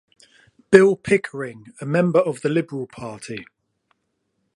Bill Pickering, a member of the Liberal Party.